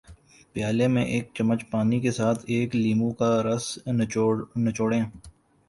پیالے میں ایک چمچ پانی کے ساتھ ایک لیموں کا رس نچوڑیں